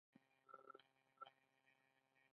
لکه جنسیت یا د پوستکي رنګ کې توپیر.